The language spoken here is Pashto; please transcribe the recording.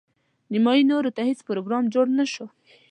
نیمايي نورو ته هیڅ پروګرام جوړ نه شو.